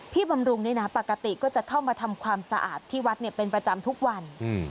บำรุงนี่นะปกติก็จะเข้ามาทำความสะอาดที่วัดเป็นประจำทุกวัน